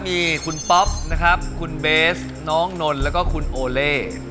มีคุณป๊อปนะครับคุณเบสน้องนนท์แล้วก็คุณโอเล่